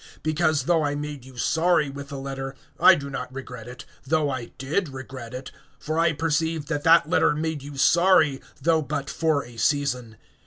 (8)Because, though I made you sorry with the letter, I do not regret it, though I did regret it; for I perceive that that letter made you sorry, though but for a season.